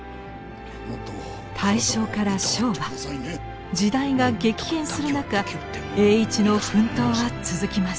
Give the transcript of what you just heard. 大正から昭和時代が激変する中栄一の奮闘は続きます。